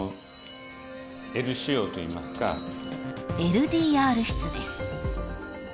［ＬＤＲ室です］